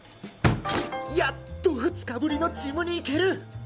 やっと２日ぶりのジムに行ける！